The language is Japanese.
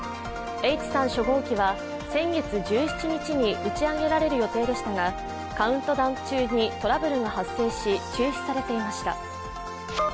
Ｈ３初号機は、先月１７日に打ち上げられる予定でしたがカウントダウン中にトラブルが発生し、中止されていました。